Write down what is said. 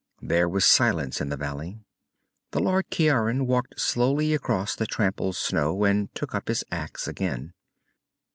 There was a silence in the valley. The Lord Ciaran walked slowly across the trampled snow and took up his axe again.